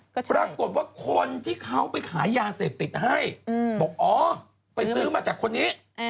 ปรากฏว่าคนที่เขาไปขายยาเสพติดให้บอกอ๋อไปซื้อมาจากคนนี้